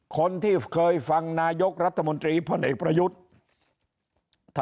คนที่เคยฟังนายกรัฐมนตรีพลเอกประยุทธ์